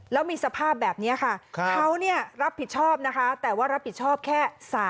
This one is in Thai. แล้วมีสภาพแบบนี้ค่ะเขารับผิดชอบนะคะแต่ว่ารับผิดชอบแค่